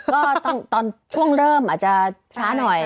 ก็ตอนช่วงเริ่มอาจจะช้าหน่อย